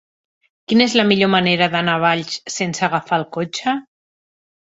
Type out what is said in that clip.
Quina és la millor manera d'anar a Valls sense agafar el cotxe?